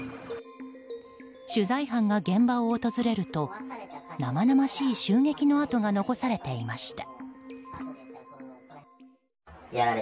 取材班が現場を訪れると生々しい襲撃の跡が残されていました。